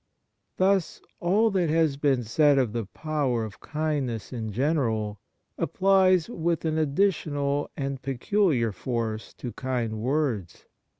Thus, all that has been said of the power of kindness in general applies with an additional and peculiar force to kind words.